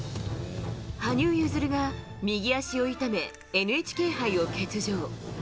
羽生結弦が右足を痛めＮＨＫ杯を欠場。